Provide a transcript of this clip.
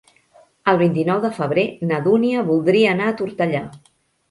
El vint-i-nou de febrer na Dúnia voldria anar a Tortellà.